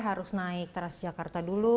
harus naik teras jakarta dulu